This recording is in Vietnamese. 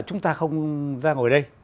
chúng ta không ra ngồi đây